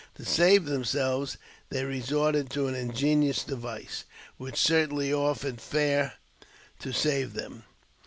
To save themselves they resorted to an 31 JAMES P. BECKWOUBTH. 237 device, which certainly offered fair to save them.